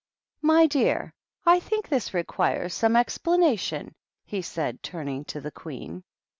" My dear, I think this requires some explanar tion," he said, turning to the Queen.